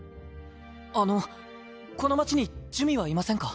あのこの町に珠魅はいませんか？